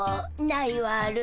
ないわる。